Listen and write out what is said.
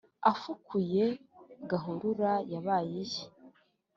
afukuye gahurura yabaye iye